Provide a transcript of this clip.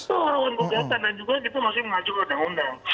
itu rawan gugatan dan juga kita masih mengacu ke undang undang